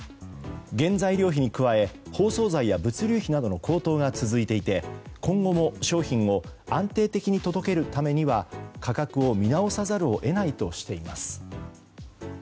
原材料費に加え包装材や物流費などの高騰が続いていて今後も商品を安定的に届けるためには価格を見直さざるを得ないとしています。